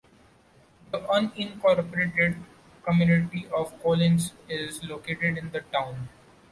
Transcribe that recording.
The unincorporated community of Collins is located in the town.